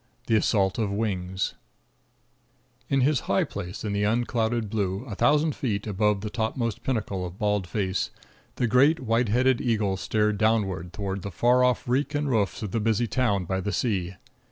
The Assault of Wings In his high place in the unclouded blue, a thousand feet above the topmost pinnacle of Bald Face, the great white headed eagle stared downward toward the far off reek and roofs of the busy town by the sea.